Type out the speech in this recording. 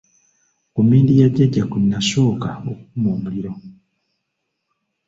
Ku mmindi ya Jjajja kwe nasooka okukuma omuliro.